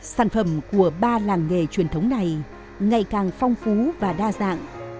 sản phẩm của ba làng nghề truyền thống này ngày càng phong phú và đa dạng